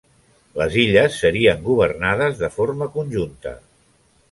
Les illes serien governades de forma conjunta.